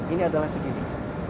ini adalah segini